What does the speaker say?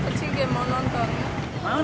keciwa mau nonton